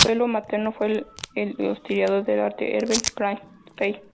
Su abuelo materno fue el historiador de arte Herbert Granville Fell.